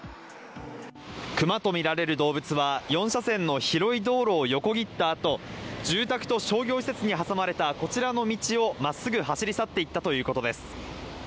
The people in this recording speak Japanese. クマとみられる動物は４車線の広い道路を横切ったあと住宅と商業施設に挟まれたこちらの道を真っすぐ走り去っていったということです。